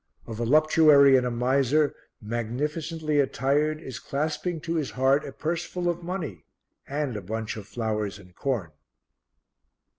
A voluptuary and a miser, magnificently attired, is clasping to his heart a purse full of money and a bunch of flowers and corn.